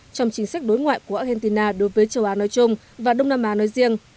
trong chính sách đối ngoại của argentina đối với châu á nói chung và đông nam á nói riêng